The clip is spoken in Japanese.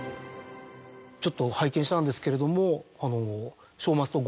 ちょっと拝見したんですけれども。